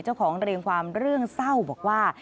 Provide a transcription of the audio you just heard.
เจ้าของเรียงความเรื่องเศร้าบอกว่า